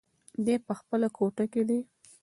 دی په خپله کوټه کې دی.